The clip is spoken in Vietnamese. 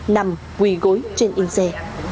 nằm quỳ gối trên yên xe